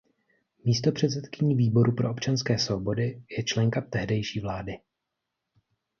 Místopředsedkyní Výboru pro občanské svobody je členka tehdejší vlády.